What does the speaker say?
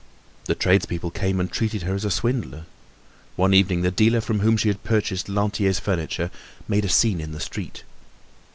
The tradespeople came and treated her as a swindler. One evening the dealer from whom she had purchased Lantier's furniture made a scene in the street.